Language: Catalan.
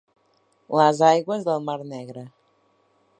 Les aigües del mar Negre.